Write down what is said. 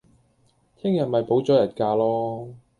聽日咪補咗日假囉